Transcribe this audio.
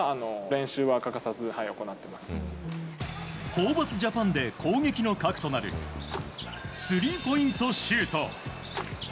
ホーバスジャパンで攻撃の核となるスリーポイントシュート。